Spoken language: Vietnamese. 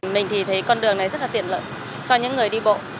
mình thì thấy con đường này rất là tiện lợi cho những người đi bộ